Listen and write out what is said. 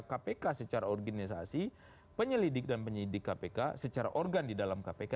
kpk secara organisasi penyelidik dan penyidik kpk secara organ di dalam kpk